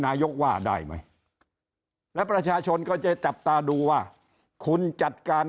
นายกว่าได้ไหมและประชาชนก็จะจับตาดูว่าคุณจัดการ